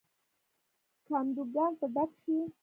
کندوګان به ډک شي.